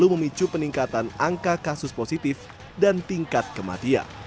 memicu peningkatan angka kasus positif dan tingkat kematian